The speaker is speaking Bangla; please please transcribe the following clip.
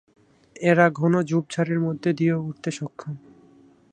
এরা ঘন ঝোপ-ঝাড়ের মধ্যে দিয়েও উড়তে সক্ষম।